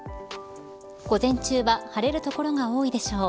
午前中は晴れる所が多いでしょう。